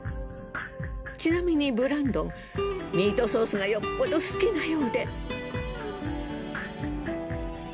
ちなみにブランドンミートソースがよっぽど好きなようで。